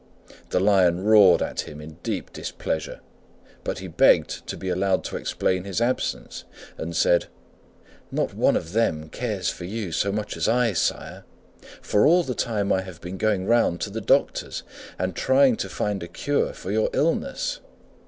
The Lion roared at him in deep displeasure, but he begged to be allowed to explain his absence, and said, "Not one of them cares for you so much as I, sire, for all the time I have been going round to the doctors and trying to find a cure for your illness."